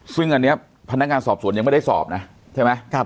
ซึ่งอันนี้พนักงานสอบสวนยังไม่ได้สอบนะใช่ไหม